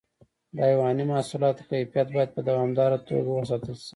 د حیواني محصولاتو کیفیت باید په دوامداره توګه وساتل شي.